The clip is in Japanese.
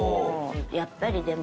やっぱりでも。